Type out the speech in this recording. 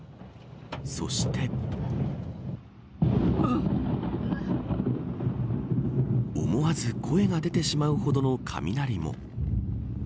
そして思わず声が出てしまうほどの雷も。